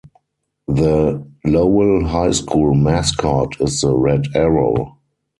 The Lowell High School mascot is the Red Arrow.